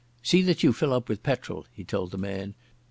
"See that you fill up with petrol," he told the man.